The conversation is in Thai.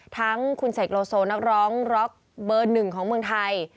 ทั้งคุณเสกโลโซนักร้องร็อกเบอร์หนึ่งของเมืองไทย